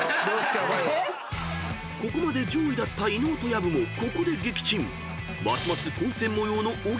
［ここまで上位だった伊野尾と薮もここで撃沈］